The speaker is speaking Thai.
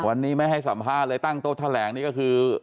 วันนี้ไม่ให้สัมภาษณ์เลยตั้งโต๊ะแถลงนี่ก็คือ